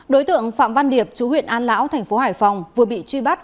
đối tượng phạm văn điệp chủ huyện an lão tp hải phòng vừa bị truy bắt